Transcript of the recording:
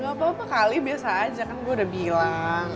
gak apa apa kali biasa aja kan gue udah bilang